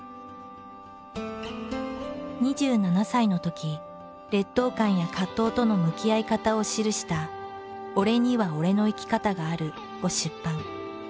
２７歳のとき劣等感や葛藤との向き合い方を記した「俺には俺の生き方がある」を出版。